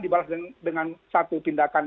dibalas dengan satu tindakan